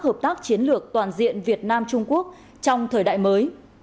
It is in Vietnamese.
hợp tác chiến lược toàn diện việt nam trung quốc trong thời đại mới